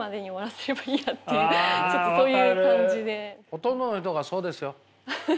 ほとんどの人がそうですよ。